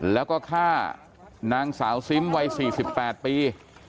แล้วก็ฆ่านางสาวซิมวัย๔๘ปี